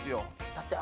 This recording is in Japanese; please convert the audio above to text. だって